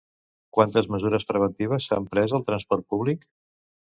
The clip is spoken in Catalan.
Quines mesures preventives s'han pres al transport públic?